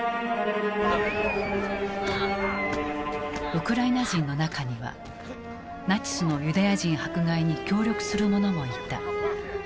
ウクライナ人の中にはナチスのユダヤ人迫害に協力するものもいた。